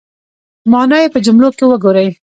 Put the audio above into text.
مانا یې په جملو کې وګورئ